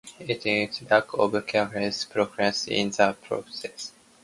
It implies a lack of concern or precision in the process.